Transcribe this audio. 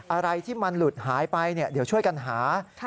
อะไรที่มันหลุดหายไปเดี๋ยวช่วยกันหา